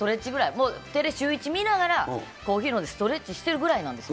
もうシューイチ見ながらお昼にストレッチしてるぐらいなんですよ。